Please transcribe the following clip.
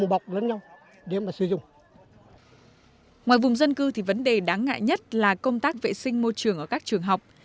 ngoài vùng dân cư thì vấn đề đáng ngại nhất là công tác vệ sinh môi trường ở các trường học